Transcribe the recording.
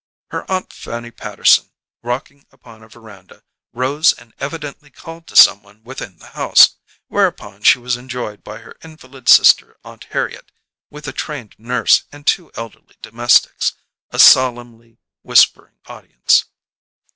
Her Aunt Fanny Patterson, rocking upon a veranda, rose and evidently called to someone within the house, whereupon she was joined by her invalid sister, Aunt Harriet, with a trained nurse and two elderly domestics, a solemnly whispering audience.